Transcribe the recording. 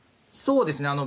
そうですね。